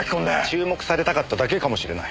注目されたかっただけかもしれない。